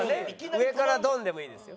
上からドーンでもいいですよ。